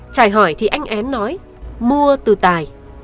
trải hỏi thì anh én nói mua từ tài